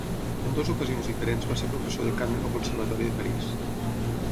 En dues ocasions diferents va ser professor de cant en el Conservatori de París.